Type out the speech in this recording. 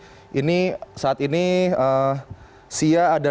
saat ini sia ada di posisi ketiga